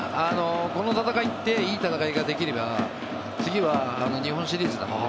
この戦いっていい戦いができれば次は日本シリーズなので。